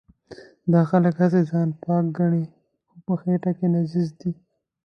دا خلک هسې ځان پاک ګڼي خو په خټه کې نجس دي.